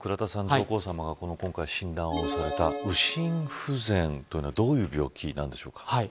上皇さまが今回、診断をされた右心不全というのはどういう病気なんでしょうか。